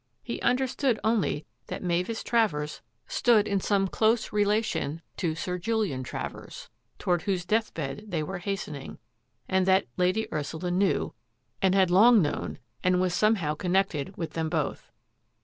He understood only that Mavis Travers stood in some close relation to Sir Julian Travers, toward whose death bed they were hasten ing, and that Lady Ursula knew — and had long i "THE SPORTING BARONET" 831 known — and was somehow connected with them both.